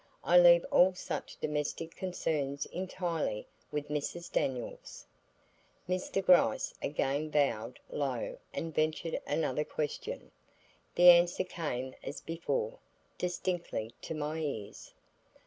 I leave all such domestic concerns entirely with Mrs. Daniels." Mr. Gryce again bowed low and ventured another question. The answer came as before, distinctly to my ears.